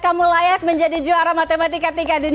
kamu layak menjadi juara matematika tiga dunia